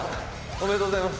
おめでとうございます。